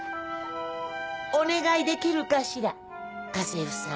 お願いできるかしら家政婦さん。